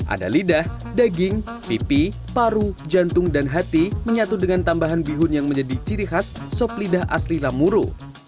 ada lidah daging pipi paru jantung dan hati menyatu dengan tambahan bihun yang menjadi ciri khas sop lidah asli lamuru